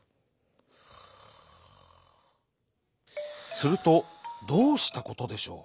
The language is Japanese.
するとどうしたことでしょう。